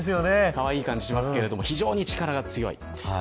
かわいい感じがしますが非常に力が強い。